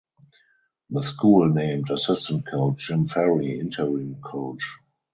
The school named assistant coach Jim Ferry interim coach.